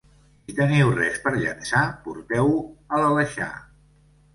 Si teniu res per llençar, porteu-ho a l'Aleixar.